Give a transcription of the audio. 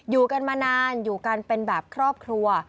อยู่กันมานานอยู่กันเป็นแบบครอบครัว